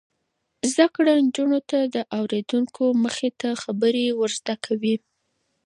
زده کړه نجونو ته د اوریدونکو مخې ته خبرې ور زده کوي.